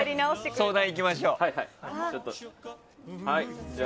相談、いきましょう。